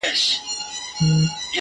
زه د یویشتم قرن ښکلا ته مخامخ یم،